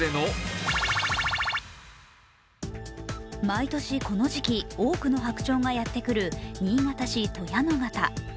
毎年、この時期、多くの白鳥がやってくる新潟市・鳥屋野潟。